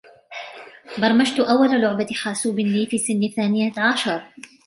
برمجتُ أول لعبة حاسوب لي في سن الثانية عشر.